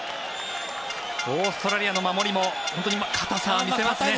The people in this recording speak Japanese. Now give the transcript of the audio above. オーストラリアの守りも本当に堅さを見せますね。